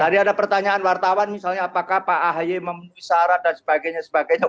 tadi ada pertanyaan wartawan misalnya apakah pak ahy memenuhi syarat dan sebagainya sebagainya